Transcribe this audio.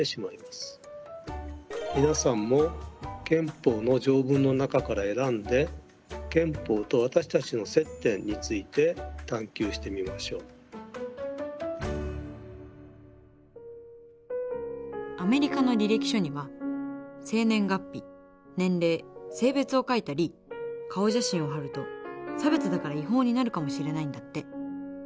皆さんも憲法の条文の中から選んでアメリカの履歴書には生年月日年齢性別を書いたり顔写真を貼ると差別だから違法になるかもしれないんだって。